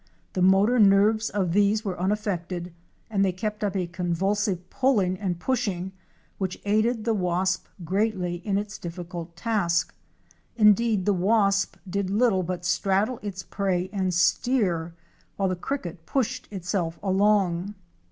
The motor nerves of these were unaffected and they kept up a convulsive pulling and pushing which aided the wasp greatly in its difficult task. Indeed the wasp did little but straddle its prey and steer, while the cricket pushed itself along.